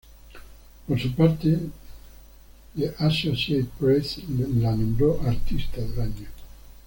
Por su parte, "The Associated Press" la nombró Artista del Año.